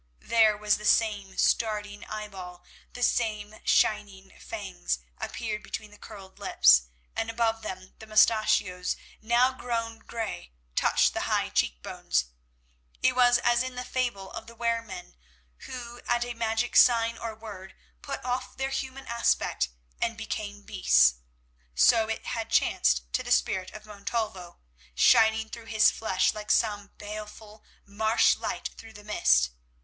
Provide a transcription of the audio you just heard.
There was the same starting eyeball, the same shining fangs appeared between the curled lips, and above them the moustachios, now grown grey, touched the high cheekbones. It was as in the fable of the weremen, who, at a magic sign or word, put off their human aspect and become beasts. So it had chanced to the spirit of Montalvo, shining through his flesh like some baleful marsh light through the mist.